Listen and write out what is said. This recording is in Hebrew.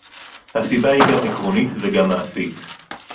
הסיבה היא גם עקרונית וגם מעשית